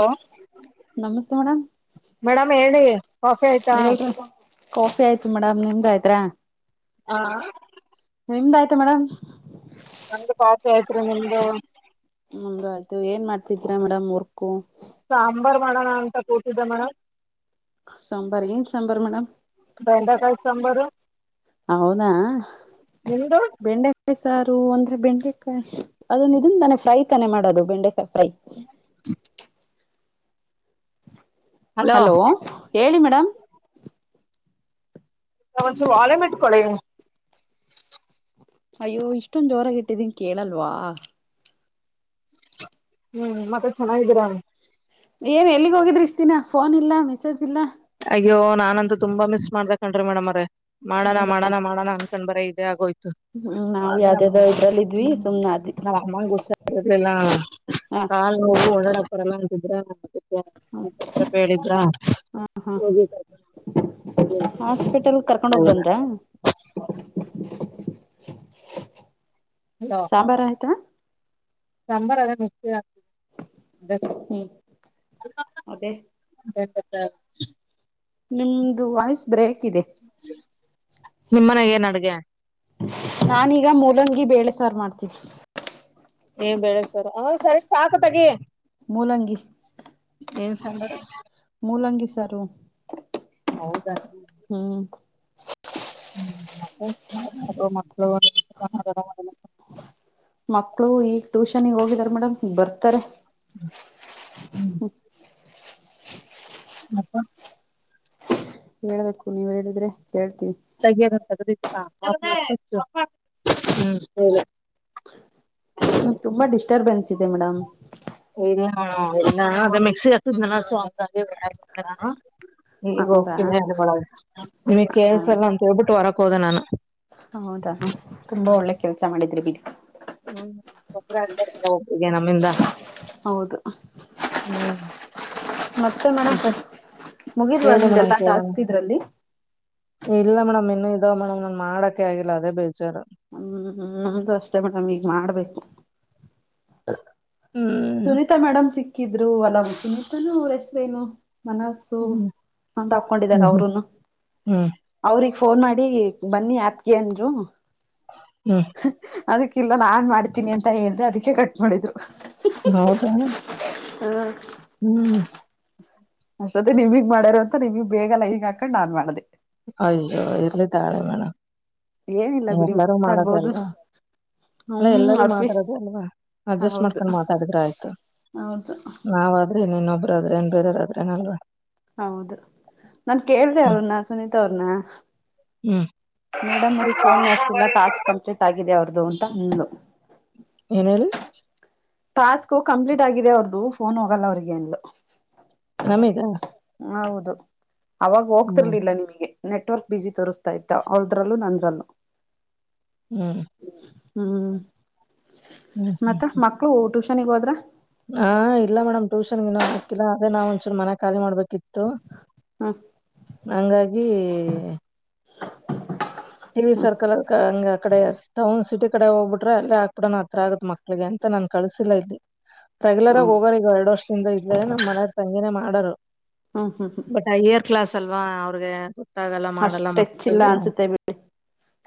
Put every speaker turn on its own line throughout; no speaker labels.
Hello
ನಮಸ್ತಾರ.
Madam ಹೇಳಿ coffee ಆಯ್ತಾ
[unintelligible] ಕಾಫಿ ಆಯ್ತು ಮೇಡಮ್ ನಿಮ್ದ್ ಆಯ್ತ್ತ್ರಾ?
ಹಾ.
ನಿಮ್ದ ಆಯ್ತ ಮೇಡಮ್.
ನಮ್ಡ ಕಾಫಿ ಆಯ್ತೀರಿ ನಿಮ್ದು?
ನಮ್ದು ಆಯ್ತು ಏನ್ ಮಾಡ್ತಿದೀರಾ ಮೇಡಮ್ ವರ್ಕು.
ಸಾಂಬಾರ್ ಮಾಡೋಣ ಅಂತ ಕೂತಿದ್ದೆ ಮೇಡಂ.
ಸಾಂಬಾರ್ ಏನ್ ಸಾಂಬಾರು ಮೇಡಮ್.
ಬೆಂಡೆಕಾಯಿ ಸಾಂಬಾರು.
ಹೌದಾ
ನಿಮ್ದು
ಬೆಂಡೆ ಸಾರು ಅಂದ್ರೆ ಬೆಂಡೆಕಾಯಿ ಅದನ್ನ ಇದನ್ ತಾನೆ ಫ್ರೈ ತಾನೆ ಮಾಡೋದು ಬೆಂಡೆಕಾಯಿ. ಫ್ರೈ
[inaudible]
ಹಲೋ ಹೇಳಿ ಮೇಡಮ್.
ಒಂದ ಚೂ ಆಲಿ ಮೊಟ್ಟ ಕೊಡಿ.
ಅಯ್ಯೋ ಇಷ್ಟೊಂದ ಜೋರಾಗಿ ಇಟ್ಟಿದೀನ್ ಕೇಳಲ್ವಾ.
ಹ್ಮ್ ಮತ್ತೆ ಚೆನ್ನಾಗಿದ್ದೀರ
ಏನ್ ಎಲ್ಲಿಗ್ ಹೋಗಿದ್ರಿ ಎಷ್ಟುದಿನ ಫೋನ್ ಇಲ್ಲ ಮೆಸೇಜ್ ಇಲ್ಲ
ಅಯ್ಯೋ ನಾನಂತೂ ತುಂಬಾ ಮಿಸ್ ಮಾಡ್ ಕಣ್ರಿ ಮೇಡಮ್ ಅವ್ರ ಮಾಡೋಣ
ಹೌದಾ
ಮಾಡಣ ಮಾಡೋಣ ಬರೀ ಇದೆ ಆಗೋಯ್ತು
ಹ್ಮ್ ನಾವು ಯಾವ್ದ್ಯದಾವ ಇದ್ರಲ್ಲ ಇದ್ವಿ ಸುಮ್ನ ಆದ್ವಿ
ನಮ್ಮ ಅಮ್ಮನಿಗೆ ಹುಷಾರ್ ಇರ್ಲಿಲ್ಲ
ಹ
ಕಾಲು ನೋವು ಹೊಡಾಡೋಕೆ [unintelligible] ಹೇಳಿದ್ರ
ಹಾ
ಹೋಗಿ ಕರ್ಕೊಂಡ್ ಬಂದ್ವಿ.
ಹಾಸ್ಪಿಟಲ್ ಕರ್ಕೊಂಡ ಹೋಗ್ ಬಂದ್ರಾ
ಹಲೋ
ಸಾಂಬಾರ್ ಆಯ್ತಾ
ಸಾಂಬಾರ್ ಅದೇ ಮಿಕ್ಸ್ ಗೆ
ಹ್ಮ್ ಅದೇ
[inaudible]
ನಿಮ್ದು ವಾಯ್ಸ್ ಬ್ರೇಕ್ ಇದೆ
ನಿಮ್ಮ ಮನೆಗೆ ಏನ್ ಅಡ್ಗೆ
ನಾನೀಗ ಮೂಲಂಗಿ ಬೇಳೆ ಸಾರು ಮಾಡ್ತೀನಿ
ಏ ಬೇಳೆಸಾರು ಹ ಸರಿ ಸಾಕು ತೇಗಿ
ಮೂಲಂಗಿ
ಸಾಂಬಾರ್
ಮೂಲಂಗಿ ಸಾರು
ಹೌದಾ
ಹ್ಮ್.
[unintelligible]
ಮಕ್ಕಳು ಈಗ ಟ್ಯೂಷನ್ಗ್ ಹೋಗಿದಾರ ಮೇಡಮ್ ಬರ್ತಾರೆ.
ಹ್ಮ್. ಮತ್ತೆ.
ಹೇಳ್ಬೇಕು ನೀವ್ ಹೇಳಿದ್ರೆ ಕೇಳ್ತೀವಿ.
[unintelligible]
ನನ್ಗೆ ತುಂಬಾ ಡಿಸ್ಟರ್ಬೆನ್ಸ್ ಇದೆ ಮೇಡಮ್.
ಹಾ ಅ ಮಿಕ್ಸಿ ಹಚ್ಚುದ್ನಲ್ಲ ಈಗ
ಹೌದಾ
ಹೋಗ್ತೀನೊಳಗ ನಿಮಗ್
ಹೌದು
ಕೇಳ್ಸಲ್ಲ ಅಂತ ಹೇಳ್ಬಿಟ್ಟು ಹೊರಕ್ ಹೋದೆ ನಾನು.
ಹೌದಾ ತುಂಬಾ ಒಳ್ಳೆ ಕೆಲ್ಸ ಮಾಡಿದ್ರಿ ಬಿಡಿ.
ಹ್ಮ್ ಒಬ್ರಾದ್ಮೇಲೆ ಇನ ಒಬ್ರು ನಮ್ಮಿಂದ.
ಹೌದು.
ಹ್ಮ್.
ಮತ್ತೆ ಮೇಡಮ್ ಮುಗಿದ್ವಾ
ಹೇಳಿ ಮೇಡಮ್
ನಿಮ್ದಲ್ಲಾ
ಕೇಳಣ
ಟಾಸ್ಕ್ ಇದ್ರಲ್ಲಿ.
ಇಲ್ಲ ಮೇಡಮ್ ಇನ್ನುೂ ಇದಾವ ಮೇಡಮ್ ನನ್ ಮಾಡಕೆ ಆಗಿಲ್ಲ ಅದೇ ಬೇಜಾರು.
ಹ್ಮ್ ನಮ್ದು ಅಷ್ಟೇ ಮಡಮ್ ಈಗ್ ಮಾಡ್ಬೇಕು
[inaudible]
ಸುನೀತಾ ಮೇಡಮ್ ಸಿಕ್ಕಿದ್ರು ಅಲಾಮ ಸುನೀತಾನೂ ಅವ್ರ ಹೆಸರೇನು. ಮನಸ್ಸು
ಹ್ಮ್
ಅಂತ ಹಾಕೊಂಡಿದಾರೆ
ಹ್ಮ್
ಅವರುನು
ಹ್ಮ್
ಅವ್ರಗ್. ಫೋನ್ ಮಾಡಿ ಬನ್ನಿ ಅಪ್ ಗೆ ಅಂದ್ರು
ಹ್ಮ್
ಅದಕ್ಕೆ ಇಲ್ಲಿ. ಎಲ್ಲ ನಾನ್ ಮಾಡ್ತೀನಿ ಅಂತ ಹೇಳ್ದೆ ಅದಕ್ಕೆ ಕಟ್ ಮಾಡಿದ್ರು
ಹೌದ
ಹ.
ಹ್ಮ್
ಅಷ್ಟೊತ್ತೇ ನಿಮಗ್ ಮಾಡ್ಯರೋ ಅಂತ ನಿಮಗ್ ಬೇಗಲ್ಲ ಈಗ ಹಾಕಂಡ್ ನಾನ್ ಮಾಡ್ದೆ.
ಅಯ್ಯೋ ಇಲ್ಲಿ ತಕಳಿ ಮೇಡಮ್
ಏನಿಲ್ಲ ಬಿಡಿ
ಎಲ್ಲಾರೂ ಮಾಡೋದೆ
ಮಾತಾಡ್ಬೋದು
ಅಲ್ವಾ ಅಲ್ಲ
ಹ್ಮ್
ಎಲ್ಲರೂ
ಅರ್ಫಿ
ಮಾತಾಡದು ಅಲ್ವಾ ಅಡ್ಜಸ್ಟ್
ಹೌದು
ಮಾಡ್ಕೊಂಡ್ ಮಾತಾಡಿದ್ರೆ ಆಯ್ತು.
ಹೌದು
ನಾವಾದ್ರೆ ಇನ್ನೊಬ್ಬ್ರಾದ್ರೆ ಬೇರೆವರು ಆದ್ರೆ ಏನು ಅಲ್ವಾ
ಹೌದು ನನ್ ಕೇಳ್ದ
ಹ್ಮ್
ಅವನ್ನ ಸುನೀತಾ ಅವ್ರನ್ನ.
ಹ್ಮ್.
ಮೇಡಮ್ ಅವರಿಗೆ ಫೋನ್ ಹೋಗ್ತಿಲ್ಲಾ ಟಾಸ್ಕ್ ಕಂಪ್ಲೀಟ್ ಆಗಿದೆ ಅವ್ರದು ಅಂತ ಅಂದ್ಲು.
ಏನ್ ಹೇಳಿ
ಟಾಸ್ಕ್ ಕಂಪ್ಲೀಟ್ ಆಗಿದೆ ಅವ್ರದುು ಫೋನ್ ಹೋಗಲ್ಲ ಅವ್ರಿಗೆ ಅಂದ್ಲು
ನಮೀಗ.
ಹೌದು ಅವಾಗ
ಹ್ಮ್
ಹೋಗ್ತಿರ್ಲಿಲ್ಲ ನಿಮಗೆ. ನೆಟ್ವರ್ಕ್ ಬಿಸಿ ತೋರಿಸ್ತಾ ಇಟ್ಟ ಅವಳದ್ರಲ್ಲೂ ನಂದ್ರಲ್ಲೂ.
ಹ್ಮ್.
ಹ್ಮ್
ಹ್ಮ್
ಮತ್ತ ಮಕ್ಕಳು ಟುಶನ್ ಗೆ ಹೋದ್ರ.
ಹಾ ಇಲ್ಲ ಮೇಡಮ್ ಟ್ಯೂಷನ್ಗ ಹಾಕಿಲ್ಲ ಅ್ರೆ ನಾ್ ಒಂದಚೂ ಮನೆ ಖಾಲಿ ಮಾಡ್ಬೇಕು
ಹ್ಮ್
ಕಿತ್ತುಹಂಗಾಗಿ. ಹವಿ
ಹ್ಮ್
ಸರ್ಕಲ್ ಅ ಹಂಗ ಅ ಕಡೆ ಟೌನ್ ಸಿಟಿ. ಈ ಕಡೆ ಹೋಗ್ಬಿಟ್ರೆ ಅಲ್ಲ ಹ ಆಕ್ಬಿಡಣ ಆ ಹತ್ರ ಆಗತ್ ಮಕ್ಳಿಗೆ ಅಂತ ನನ್ ಕಳ್ಸಿಲ್ಲ ಇಲ್ಲಿ. ರೆಗ್ಯುಲರ್ ಆಗಿ
ಹೌದು
ಹೋಗರ್ ಈಗ ಎರಡು ವರ್ಷದಿಂದ ಇದಲೇ ನಮ್ ಮನಾರ್ ತಂಗಿನೇ ಮಾಡರು.
ಹಾ ಹಾ ಹಾ.
ಕ್ಲಾಸ್ ಅಲ್ವಾ ಅವ್ರಿಗೆ ಗೊತ್ತಾಗಲ್ಲ ಮಾಡಲ್ಲ
ಅಷ್ಟ
ಮಕ್ಕಳ.
ಹೆಚ್ಚಿಲ್ಲ ಅನ್ಸುತ್ತೆ ಬಿಡಿ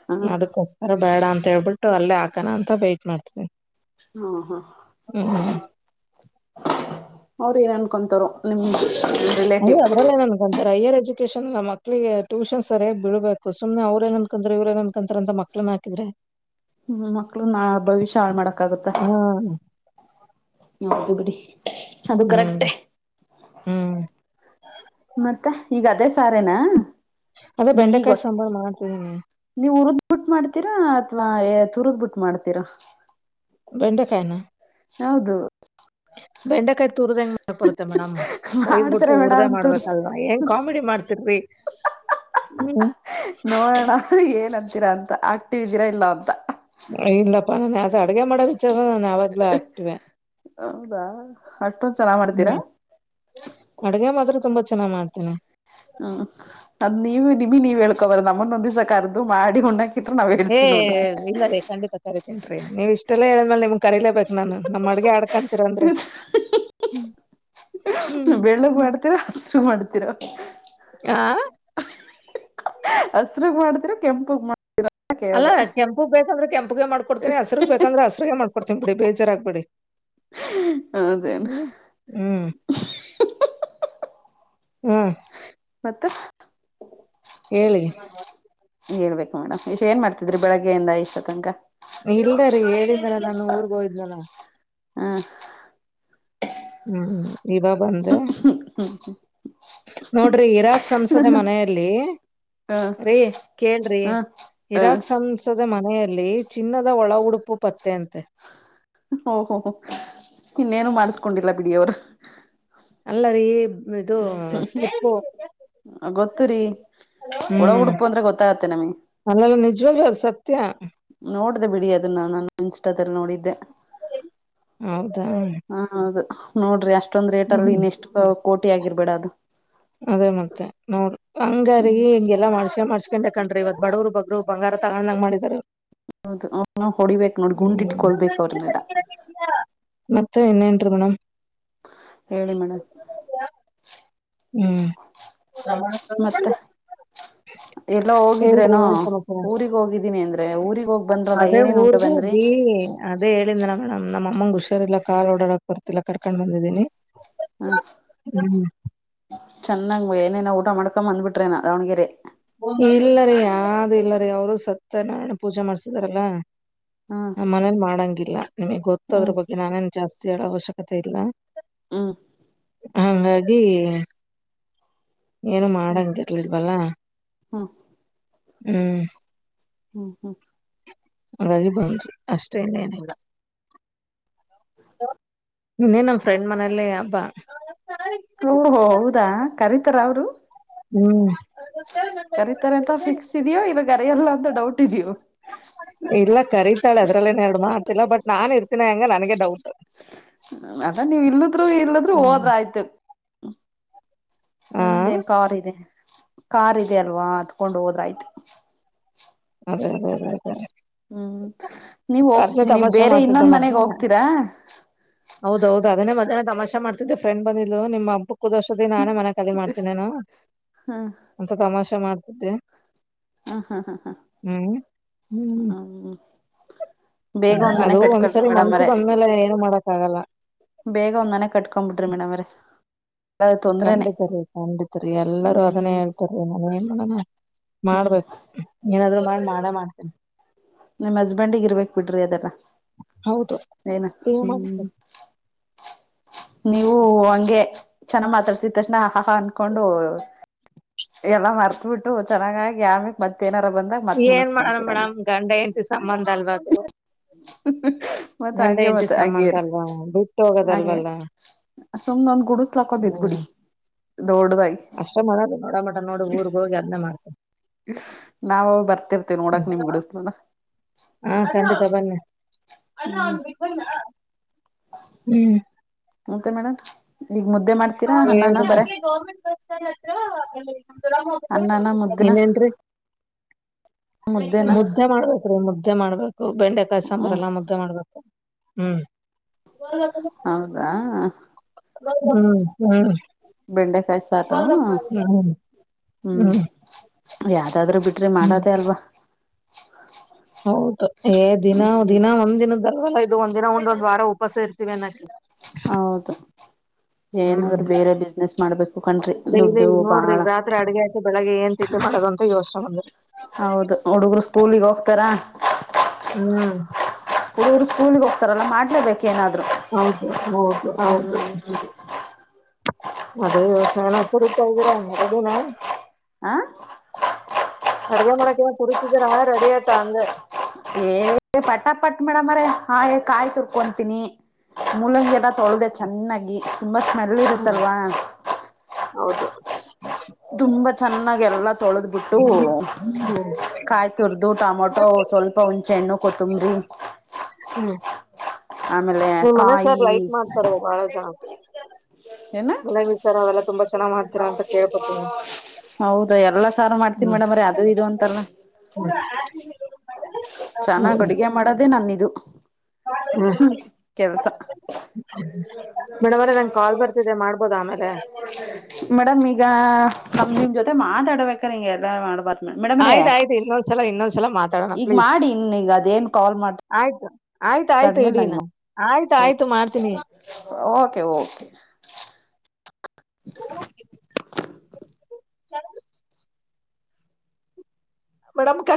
ಹ ಹ್ಮ
ಅದಕೋಸ್ಕರ ಬೇಡ ಅಂತ ಹೇಳ್ಬಿಟ್ಟು ಅಲ್ಲೇ ಹಾಕಣ ಅಂತ ಬೈಟ್ ಮಾಡ್ತೀನಿ
ಹಾ ಹಾ ಅವ್ರ ಏನನ್ ಕೊಂತರೋ ನಿಮ್ದಗೆ
ಅಯ ಅದ್ರಲ್ಲೇ ನನ್ ಕಂತಾರೆ ಅಯ್ಯ ರಜೆ ಕೇಶನ್ ನ ಮಕ್ಳಿಗೆ ಟ್ಯೂಷನ್ ಸರಿ ಬ ಬಿಳ್ಬೇಕುಮ್ನೆ ಅವ್ರೇನ್ಕಂತ್ರ ಇವ್ರ ೇನ್ಕಂತ ಅಂತಕ್ನ್ ಹಾಕಿದ್ರೆ
ಹ್ಮ ಮಕ್ಳು ನ ಭವಿಷ್ಯ ಹಾಳ ಮಾಡಕ್ಗತ್ತ
ಹ
ದು ಬಿಡಿ ಅದು
ಹ್ಮ್
ಕರೆಕ್ಟೇ
ಹ್ಮ್
ಮತ್ತೆ ಈಗ ಅದೇ ಸಾರನಾ
ಅದೇ ಬೆಂಡೆಕಾಯಿ ಸಾಂಬಾರು ಮಾಡ್ತಿದೀನಿ
ನೀವು್ ಉರದ್ ಬಿಟ್ಟ ಮಾಡ್ತೀರಾ ಅಥವಾ ತುರ್ದ್ ಬಿಟ್ಟ ಮಾಡ್ತೀರಾ
ಬೆಂಡೆ ಕಾಯನಾ
ಹೌದು
ಬೆಂಡೆಕಾಯಿ ತುರ್ದ ಹೆಂಗ್ ಮಾಡ್ ಬರುತ್ತೆ ಮೇಡಮ್ ಹೊಯ್ದ್
ಮಾಡ್ತಾರ
ಬಿಟ್ಟು ಉರ್ದೇ
ಮೇಡಮ್ ತುರ್
ಮಾಡ್ಬೇಕಲ್ವಾ ಹೆಂಗ್ ಕಾಮಿಡಿ ಮಾಡ್ತಿರ್ ೇ
ನೋಡೋಣ ಏನ್ ಅಂತೀರಾ ಅಂತ ಆಕ್ಟಿವ್್ದೀರಾ ಇಲ್ಲ ಅಂತ
ಇಲ್ಲಪ್ಪಾ ನಾನ ಅದ ಅಡ್ಗೆ ಮಾಡಬೇಕ ಚ ನು ಯಾವಾಗ್ಲೂ ಆಕ್ತಿವೆ
ಹೌದಾ ಅಷ್ಟೊಂದ್ ಚೆನ್ನಾಗ್ ಮಾಡ್ತೀರಾ
ಹ್ಮ್ ಅಡಗೆ ಮಾತ್ರ ತುಂಬಾ ಚೆನ್ನಾಗ್ ಮಾಡ್ತೇನೆ
ಹ್ಮ್ ಅದ್ ನೀವ ನಿಮಿ ನೀವ್ ಹೇಳ್ಕೊಬರ್ರ ನಮ್ಮನ್ನೊಂದಿ್ಸಕ ಅರ್ದು ಮಾಡಿ ಹಣ್ಣಾಕ
ಹೇ ಇಲ್ಲ ರೇ ಖಂಡಿತ ಕರೆೀತೀನ ೀ ನೀವು ಇಷ್ಟೆಲ್ಲ ಹೇಳ್ಮೇ ನಿಮ್ ಕರೀೇಬೇಕಕ್ ನು ನಮ್ ಅಡ್ಗೆ ಆಡ್ಕೊಂಡನ್
ಹ
ಹ್ಮ್
ಬೆಳ್ಳಗ್ ಮಾಡ್ತೀರಾ ಹಸರು ಮಾಡ್ತೀರಾ
ಆಾ
ಹಸ್ರಗ್ ಮಾಡ್ತಿರ ಕೆಂಪಗ ಮಾಡ
ಅಲ್ಲ ಕೆಂಪಗ್ ಬೇಕಂದ್ರೆ ಕೆಪಗೆ ಮಾಡ್ೊಡ್ತಿನಿ ಹಸರುಗ್ ಬೇಕಂದ್ರೆ ಹಸರುಗೆ ಮಾಡ್ತಿ ಕೊಡ್ತನ್ ಬಿಿಡಿ ಬೇಜಾರಾಗಗ್ಬೇಡಿ
ಹೌದೇನು
ಹ್ಮ ಹ್ಮ್ ಹ್ಮ್
ಮತ್ತೆ
ಹೇಳಿ
ಹೇಳ್ಬೇಕು ಮೇಡಮ್ ಇಷ್ಟ ಏನ್ ಮಾಡ್ತಿದ್ರಿ ಬೆಳಗ್ಗೆಿಂದ ಇಷ್ಟು ತನಕ
ಇಲ್ದ ರೀ ಹೇಳಿದರ ನಾನು ಊರ್ಗ ಹೋಿದ್ನಲ್ಲ
ಹ್ಮ್
ಹ್ಮ್ ಇವ ಬಂದ
ಹ
ನೋಡ್ರಿ ಇರಾಕ್ ಸಂಸದೆ ಮನೆಯಲ್ಲಿ
ಹ್ಮ್
ೀ ಕೇೇಳ್ರಿ
ಹ್ಮ್ ಹ್ಮ್
ಇರಾಕ್ ಸಂಸದ ಮನ ಮನೆಯಲ್ಲಿ ಚಿನ್ನದ ಒಳ ಉಡುಪು ಪತ್ತೆ ಅಂತೆ
ಓಹೋ ಇನ್ನೇನು ಮಾಡಸ್ಕೊಂಡಿಲ್ಲ ಬಿಡಿಯವರು.
ಅಲ್ಲ ರೀ ಇದು ಸ್ಲಿಪ್ಪು.
ಗೊತ್ತುರಿ ಒಳ
ಹ್ಮ್
ಉುಡುಪು ಅಂದ್ರೆ ಗೊತ್ತಾಗತ್ತೆ ನಮಗೆ.
ನಿಚ್ವಾಗ್ಲು ಅದ್ ಸತ್ಯ.
ನೋಡ್ದೆ ಬಿಡಿ ಅದನ್ನ ನಾನು ಇನ್ಸ್ಟ್ ನೋಡಿದ್ದೆ
ಹೌದಾ
ಹ ಹೌದು ನೋಡ್ರಿ ಅಷ್ಟೇ. ಇಷ್ಟೊಂದು ರೇಟ್ ಅಲ್ಲಿ
ಹ್ಮ್
ಇನ್ನ ಎಷ್ಟು ಕೋಟಿ ಆಗಿರ್ಬೇಡ ಅದು.
ಅದೇ ಮತ್ತೆ ನೋಡ್ರಿ ಹಂಗಾರೀ ಹಿಂಗೆಲ್ಲ ಮಾಡ್ಸ್ಕ ಮಾಡ್ಸ್ಕೊಂಡಂಡೆ ಕಣ್ರಿ ಇವತ್ ಬಡವರು ಬಗ್ರು ಬಂಗಾರ. ತಗಂಗ ಮಾಡಿದರೆ.
ಹೌದು ಅವ್ರನ್ನ ಹೊಡಿಬೇಕಕ್ ನೋಡಿ ಗುಂಡಿಟ್ಕೊಳ್ಬೇಕು ಅವ್ರನ್ನೆಲ್ಲ
[inaudible] ಮತ್ತೆ ಇನ್ ಏನ್ರಿ ಮೇಡಮ್.
ಹೇಳಿ ಮೇಡಮ್.
ಹ್ಮ್
ಮತ್ತೆ ಎಲ್ಲ
ಹೇಳ್ರಿ
ಹೋಗಿದ್ರೇನೋ
ಏನ್ ಸಮಾಚಾರ
ಊರಿಗ್ ಹೋಗಿದ್ದೀನಿ ಅಂದ್ರೆ ಊರಿಗ ಹೋಗ್ ಬಂದ್ರಲ್ಲ
ಅದೇ
ಏನೇನು ಉಂ
ಹೋಗಿ ಅದೇ ಹೇಳಿದ್ನಲ್ಲ ಮೇಡಮ್ ನಮ್ಮ ಅಮ್ಮಂಗ ಹುಷಾರಿಲ್ಲ ಕಾಲ್ ಓಡಾಡಕ್ ಬರ್ತಿಲ್ಲ ಕರ್ಕೊಂಡ್ ಬಂದಿದ್ದೀನಿ.
ಹ್ಮ ಚೆನ್ನಾಗ್ ಏನೇನ ಊಟ ಮಾಡ್ಕೊ ಬಂದ್ಬಿಟ್ರೇನಾ ದಾವಣಗೆರೆ.
ಇಲ್ಲರಿ ಅ ಇಲ್ಲರಿ ಅವರು ಸತ್ಯನಾರಾಯಣ ಪೂಜೆ ಮಾಡ್ಸಿದಾರಲ್ಲ.
ಹ್ಮ್
ನ ಮನೇಲಿ ಮಾಡಂಗಿಲ್ಲ ನಿಮಗ್ ಗೊತ್ತದ್ರ
ಹ್ಮ್
ಬಗ್ಗೆ ನಾನೇನ್. ಜಾಸ್ತಿ ಹೇಳೊ ಅವಶ್ಯಕತೆ ಇಲ್ಲ
ಹ್ಮ್
ಹಂಗಾಗಿ. ಏನು ಮಾಡಂಗಿರ್ಲಿಲ್ವಲ್ಲ.
ಹ್ಮ
ಹ್ಮ್
ಹ್ಮ ಹ್ಮ್
ಹಾಗಾಗಿ ಬಂದರಿ ಅಷ್ಟೆ ಇನ್ ಏನಿಲ್ಲ. ಇನ್ನೇನ್ ನಮ್ಮ ಫ್ರೆಂಡ್ ಮನೆಲೆ ಹಬ್ಬಾ.
ಓಹೋ ಹೌದಾ ಕರೀತಾರ ಅವರು.
ಹ್ಮ್
ಕರೀತಾರೆ ಅಂತ ಫಿಕ್ಸ್ ಇದೆಯೋ ಇಲ್ಲ ಕರೆಯಲ್ಲ ಅಂತ ಡೌಟ್ ಇದೆಯೋ
ಇಲ್ಲ ಕರೀತಾಳೆ ಅದ್ರಲ್ಲೇನ್ ಹೇಳ ಮಾತಿಲ್ಲ ಬಟ್ ನಾನ್ ಇರ್ತೀನಿ ಹೆಂಗ ನನ್ಗೆ
ಅದ ನೀವ್ ಇಲ್ಲದ್ರು ಇಲ್ಲದ್ರು
ಹ್ಮ್
ಹೋದ್ರ್ ಆಯ್ತ್.
ಆ
ನಿಮ್ದೇನ್ ಕಾರ್ ಇದೆ ಕಾರ್ ಇದೆ ಅಲ್ವಾ ಅತ್ಕೊಂಡ್ ಹೋದ್ರ್ ಆಯ್ತು ಅಲ್ವಾ.
ಅದ ಅದ ಅದ ಅದೇ.
ಹ್ಮ್ ನೀವ್ ಹೋಗ್
ಅದ್ನೇ
ನೀವ್
ತಮಾಷೆ
ಬೇರೆ
ಮಾಡ್ತಿದ್ದೆ
ಇನ್ನೊಂದ್ ಮನೆಗ್
ಮಧ್ಯಾಹ್ನ
ಹೋಗ್ತೀರಾ.
ಹೌದೌದು ಅದುನೆ ಮಧ್ಯಾನ ತಮಾಷೆ ಮಾಡ್ತಿದ್ದೆ ಫ್ರೆಂಡ್ ಬಂದಿದ್ಲು ನಿಮ್ಮ ಹಬ್ಬ ಕುಕ್ಕುವರ್ಷದಿ ನಾನೇ ಮನೆ ಕಾಲ ಮಾಡ್ತಿನೆನೊ ಅಂತ ತಮಾಷೆ ಮಾಡ್ತಿದ್ದೆ.
ಹ್ಮ ಹಾ ಹಾ ಹಾ
ಹ್ಮ್
ಹ್ಮ
ಹ್ಮ ಅದು ಒಂದ್ಸರಿ ಮನ್ಸು ಬಂದ್ಮೇಲೆ ಏನು ಮಾಡಕ್ ಆಗಲ್ಲ.
ಬೇಗ ಒಂದ್ ಮನೆ ಕಟ್ಕೊ ಬಿಡ್ರಿ ಮೇಡಮ್ ಅವ್ರೆ.
ಖಂಡಿತ ರೀ ಖಂಡಿತರಿ ಎಲ್ಲರೂ ಅದನ್ನೇ
ಹ್ಮ್
ಹೇಳ್ತಾರೀ ನನ್ ಏನ್ ಮಾಡೋಣ.
ಹ್ಮ್
ಮಾಡ್ಬೇಕು ಏನಾದ್ರು ಮಾಡಿ ಮಾಡೆ ಮಾಡ್ತೇನಿ ‌.
ನಿಮ್ಮ್ ಹಸ್ಬೆಂಡಗ ಇರ್ಬೇಕಕ್ ಬಿಡ್ರಿ ಅದೆಲ್ಲ
ಹೌದು
ಏನ
ನೀವ್ ಮಾಡ್ಬೇಕು
ಹ್ಮ್. ನೀವು ಹಂಗೆ ಚೆನ್ನ ಮಾತಾಡ್ಸಿದ ತಕ್ಷಣ ಆ ಹಹಾ ಅನ್ಕೊಂಡು. ಎಲ್ಲಾ ಮರ್ತ್ಬಿಟ್ಟು ಚೆನ್ನಾಗಾಗಿ ಆಮಿಕ್ ಮತ್ತ ಏನ
ಏನ್ ಮಾಡನ ಮೇಡಮ್ ಗಂಡ ಹೆಂತ ಸಂಬಂಧ ಅಲ್ವದು.
ಮತ್ತೆ ಹಂಗೆ ಮತ್ತೆ ಅದು
ಸಂಬಂಧ ಅಲ್ವಾ ಬಿಟ್ಟು
ಹಂಗೆ.
ಹೋಗೋದಲ್ವಲ್ಲ
ಇನೊಂದ್ ಗುಡಸ್ಲಾಕೋಂಡ್ ಇದ್ ಬಿಡಿ.
ಹ್ಮ್ ಅಷ್ಟೇ ಮಾಡೋದು ನೋಡ ಮಟ ನೋಡು ಊರ್ಗ್ ಹೋಗಿ ಅದ್ನೆ ಮಾಡದು.
ನಾವ ಬರ್ತಿರ್ತೇವಿ
ಹ್ಮ್
ನೋಡಕ್ ನಿಮ್ ಗುಡಸ್ಲುನ ‌.
ಹಾ ಖಂಡಿತ ಬನ್ನಿ ಹ್ಮ್
ಮತ್ತೆ ಮೇಡಮ್ ಈ.
ಗರ್ಮೆಂಟ್ ಬಸ್ ಹತ್ರ.
ಅನ್ನನ ಮುದ್ದನ
ನನ್
ಮುದ್ದೇನ
ಮುದ್ದೆ ಮಾಡ್ಬೇಕ್ರೀ ಮುದ್ದೆ ಮಾಡ್ಬೇಕು ಬೆಂಡೆಕಾಯಿ ಸಾಂಬ್ರ
ಹ್ಮ್
ಎಲ್ಲಾ ಮುದ್ದೆ ಮಾಡ್ಬೇಕು ಹ್ಮ್
ಹೌದಾ
ಹ್ಮ್ ಹ್ಮ್
ಬೆಂಡೆ ಕಾಯಸಾರ
ಹ್ಮ್
ಹ್ಮ್ ಯಾವ್ದಾದ್ರು ಬಿಟ್ರಿ
ಹ್ಮ್
ಮಾಡದೇ ಅಲ್ವಾ
ಹೌದು ಏ ದಿನ
ಹ್ಮ್
ದಿನ ಒಂದ್ಿನದ ಒಂದಿನ ವಾರ ಉಪಾಸ ಇರ್ತೀವೆ ನ
ಹೌದು
ಹ್ಮ್
ಏನಾದ್ರು ಬೇರೆ ಬಿಸ್ನೆಸ್ ಮಾಡ್ಬೇಕು ಕಣ್ರಿ
ಅದೇ ಇಲ್ಲಿ
ದುಡ್ಡು
ಈಗ ನೋಡ್ರಿ
ಬಹಳ
ಈಗ ರಾತ್ರಿ ಅಡ್ಗೆ ಆಯ್ತು ಬೆಳಿಗ್ಗೆ ಏನ್ ಈ ಮಾಡದಂತ ಯೋಚನೆ ಬಂದ್ರೆ
ಹೌದು ಹುಡುಗರು ಸ್ಕೂಲಿಗೆ ಹೋಗ್ತಾರ
ಹ್ಮ್
ಇವರು ಸ್ಕೂಲ್ಿಗೆ ಹೋಗ್ತಾರಲ್ಲ ಮಾಡ್ಲೇಬೇಕು
ಹೌದು ಹೌದು ಹೌದು ಅದೇ ವ್ಯವಸಾಯನ ಕುರಿತಾ ಇದ್ದೀರಾ ರೆಡಿನ
ಹಾ
ಅಡಗ ಮಳಕ್ಕೆ ಪಡಸಿದ್ರ ರೆಡಿಯಾ ತ ಅಂಗ
ಏ ಪಟಾ ಪಟ್ ಮೇಡಮ್ರ ಹಾಗೇ ಕಾಯಿ ತುರ್ಕೊತೀನಿ ಮುಲಂಗಗೆ ಎಲ್ಲ ತೊಳದೆ ಚೆನ್ನಾಗಿ ತುಂಬಾ ಸ್ಮೆಲ್
ಹ್ಮ್
ಇರುತ್ತಲ್ವಾ
ಹೌದು
ತುಂಬಾ ಚೆನ್ನಾಗ ಎಲ್ಲ ತೊಳೆದ್ಬಿಟ್ಟು
ಹ್ಮ್
ಕಾಯ್ ತುರ್್ದು ಟೊಮೊಟೊ ಸ್ವಲ್ಪ ಹುಣಚೆ ಹಣ್ಣು ಕೊತ್ತಂಬರಿ
ಹ್ಮ್
ಆಮೇಲೆ
ನಿ್
ಕಾಯಿ
ಮನಸರ್ ಲೈಟ್ ಮಾಡ್ತಾರ ಬಹಳ ಜನ
ಏನ
ಅ್ಾರ ಅವೆಲ್ಲ ತುಂಬಾ ಚೆನ್ನಾಗ್ ಮಾಡ್ತೀರಾ ಅಂತ ಕೇಳ್ಪೊತೀನಿ
ಹೌದಾ ಎಲ್ಲ ಸಾರು ಮಾಡ್ತೀವಿ ಮೇಡಮ್್ರ ಅದು ಇದು ಅಂತಲ್ಲ ಚೆನ್ನಾಗ್ ಅಡುಗೆ ಮಾಡೋದೆೇ ನನ್ನಿದು ಹ ಕೆಲ್ಸ
ಮೇಡಮ್ ಅವ್ರೆ ನಂಗ್ ಕಾಲ್ ಬರ್ತಿದೆ ಮಾಡ್ಬೋದ ಆಮೇಲೆ
ಮೇಡಮ ಈಗ ನಮ್ ನಿಮ್ ಜೊತೆ ಮಾತಾಡ್ಬೇಕ ನಿಗೆ ಎಲ್ಲ ಮಾಡ್ಬಾರ
ಆಯ್ತಾಯಯ್ು ಇನ್ನೊಂದ್ಲ ಇನ್ನಂದ್ಲ ಮಾತ
ಈಗ ಮಾಡಿ ಇನ್ ಈಗ ಅದೇನ್ ಕಾಲ್ ಮಾಡ
ಆಯ್ತಾಯಯ್ತು ಇಡೀನಾ ಆಯ್ತ ಆಯ್ತು ಮಾಡ್ತೀನಿ
ಓಕೆ ಓಕೆ [inaudible]
ಯಾವ ಮೇಡಮ್ ಕ